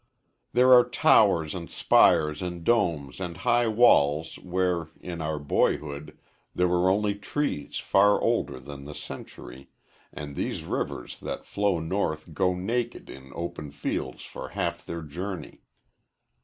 There are towers and spires and domes and high walls where, in our boyhood, there were only trees far older than the century, and these rivers that flow north go naked in open fields for half their journey.